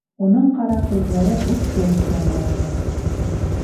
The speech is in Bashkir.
Уның ҡара күҙҙәре ут кеүек яна ине.